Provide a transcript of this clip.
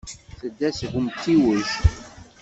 Tedda seg umtiweg.